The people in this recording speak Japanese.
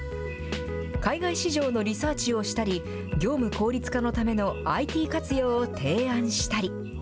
海外市場のリサーチをしたり、業務効率化のためのＩＴ活用を提案したり。